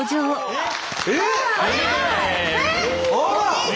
えっ！